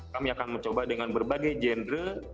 kami akan mencoba dengan berbagai genre